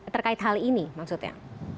terkait hal ini maksudnya